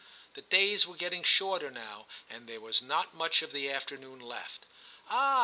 The days were getting shorter now, and there was not much of the afternoon left. Ah